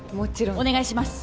お願いします！